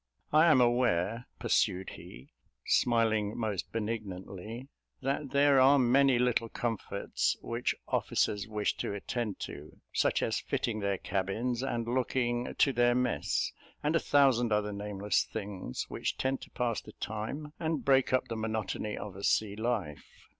I am aware," pursued he, smiling most benignantly, "that there are many little comforts which officers wish to attend to; such as fitting their cabins and looking to their mess, and a thousand other nameless things, which tend to pass the time and break up the monotony of a sea life.